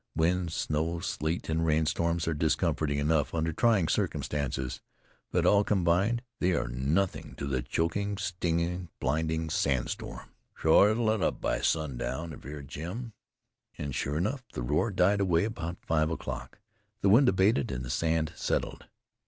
Wind, snow, sleet and rainstorms are discomforting enough under trying circumstances; but all combined, they are nothing to the choking stinging, blinding sandstorm. "Shore it'll let up by sundown," averred Jim. And sure enough the roar died away about five o'clock, the wind abated and the sand settled.